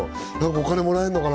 お金もらえるのかな？